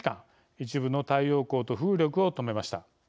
一部の太陽光と風力を止めました。